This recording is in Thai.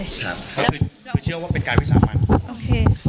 ก็คือเชื่อว่าเป็นการวิสามันโอเค